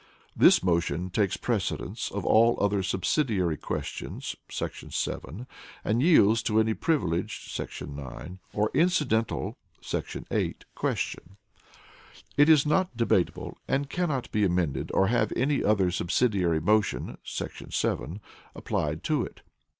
This motion takes precedence of all other Subsidiary Questions [§ 7], and yields to any Privileged [§ 9] or Incidental [§ 8] Question. It is not debatable, and cannot be amended or have any other subsidiary motion [§ 7] applied to it.